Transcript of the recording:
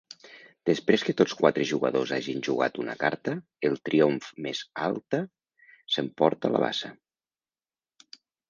Després que tots quatre jugadors hagin jugat una carta, el triomf més alta s'emporta la basa.